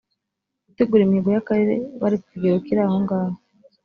gutegura imihigo y akarere bari ku kigero kiri ahongaho